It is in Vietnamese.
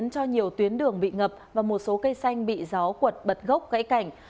cho nhiều tuyến đường bị ngập và một số cây xanh bị gió cuột bật gốc gãy cảnh